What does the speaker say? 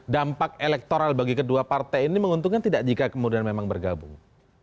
dampak elektoral bagi kedua partai ini menguntungkan tidak jika kemudian memang bergabung